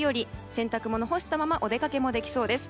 洗濯物干したままお出かけもできそうです。